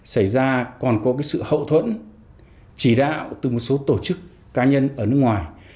xảy ra còn có sự hậu thuẫn chỉ đạo từ một số tổ chức cá nhân ở nước ngoài